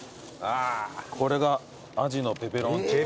これがアジのペペロンチーノ味。